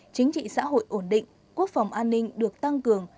chính trị xã hội ổn định quốc phòng an ninh được tăng cường